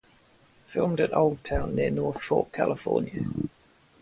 Filmed at Old Town near North Fork, California.